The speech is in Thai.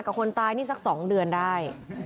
กับคนตายนี่สักสองเดือนได้